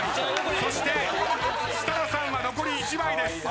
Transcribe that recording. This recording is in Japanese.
そして設楽さんは残り１枚です。